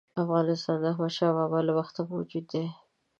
افغانستان د احمدشاه بابا له وخته موجود دی.